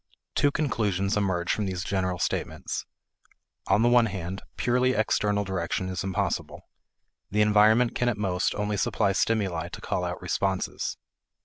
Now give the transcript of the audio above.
Two conclusions emerge from these general statements. On the one hand, purely external direction is impossible. The environment can at most only supply stimuli to call out responses.